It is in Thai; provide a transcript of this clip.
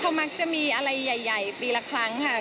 เขามักจะมีอะไรใหญ่ปีละครั้งค่ะ